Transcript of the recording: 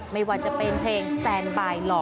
ไม่ว่าจะเป็นเพลงแตนบายหล่อ